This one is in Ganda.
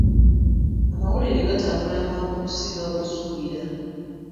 Amawulire gatambula mangu okusinga bw'osuubira.